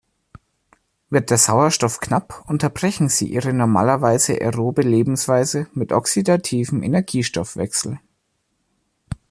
Wird der Sauerstoff knapp, unterbrechen sie ihre normalerweise aerobe Lebensweise mit oxidativem Energiestoffwechsel.